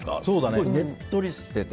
すごいねっとりしてて。